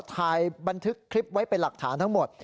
ถ่ายบันทึกคลิปไว้เป็นหลักฐานทั้งหมด